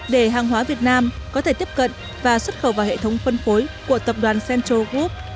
để hàng hóa việt nam có thể tiếp cận và xuất khẩu vào hệ thống phân phối của tập đoàn central group